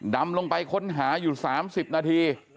ดำลงไปค้นหาอยู่๓๐นาที